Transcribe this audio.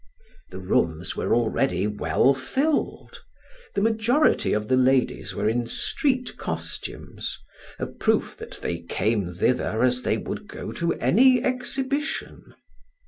The rooms were already well filled. The majority of the ladies were in street costumes, a proof that they came thither as they would go to any exhibition.